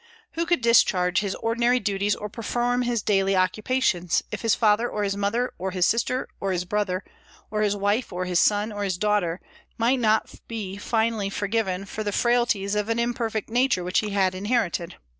Who could discharge his ordinary duties or perform his daily occupations, if his father or his mother or his sister or his brother or his wife or his son or his daughter might not be finally forgiven for the frailties of an imperfect nature which he had inherited?